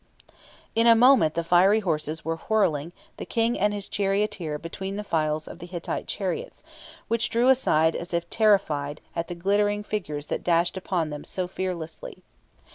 In a moment the fiery horses were whirling the King and his charioteer between the files of the Hittite chariots, which drew aside as if terrified at the glittering figures that dashed upon them so fearlessly.